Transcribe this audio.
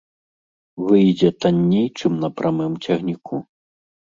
Выйдзе танней, чым на прамым цягніку.